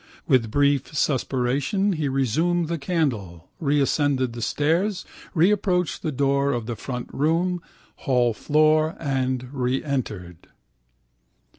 With brief suspiration he reassumed the candle, reascended the stairs, reapproached the door of the front room, hallfloor, and reentered.